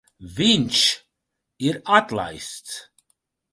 Viņš ir atlaists.